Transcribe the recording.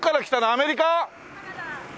アメリカ？